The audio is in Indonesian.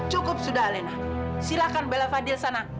cukup sudah alena silakan bela fadil sana